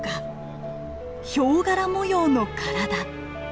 ヒョウ柄模様の体。